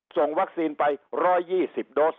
ส่งวัคซีนไป๑๒๐โดส